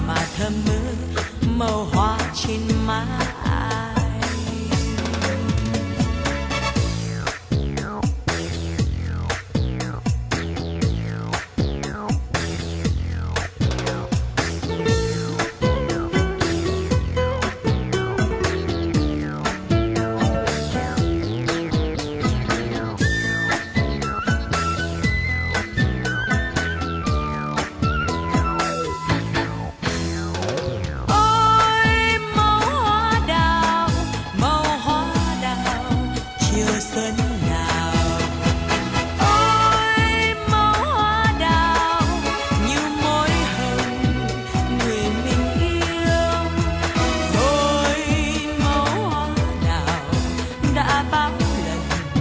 mà thơm mưa